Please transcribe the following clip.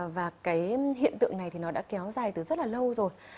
và cái hiện tượng này thì nó đã kéo dài từ rất là lâu rồi